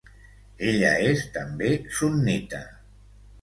Ella és també sunnita.